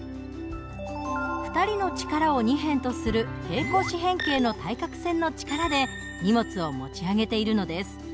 ２人の力を２辺とする平行四辺形の対角線の力で荷物を持ち上げているのです。